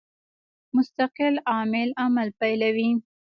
مستقل عامل عمل پیلوي.